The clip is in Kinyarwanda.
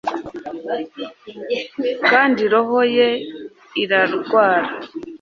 Kandi roho ye irarwara!